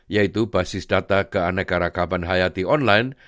yaitu basis data keaneka rekaban hayati online